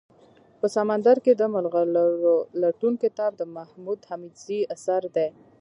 په سمندر کي دملغلرولټون کتاب دمحمودحميدزي اثر دئ